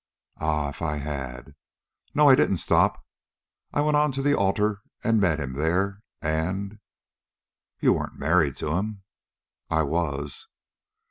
"Ah, if I had! No, I didn't stop. I went on to the altar and met him there, and " "You weren't married to him?" "I was!"